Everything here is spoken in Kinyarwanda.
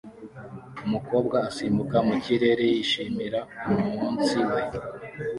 Umukobwa asimbukira mu kirere yishimira umunsi we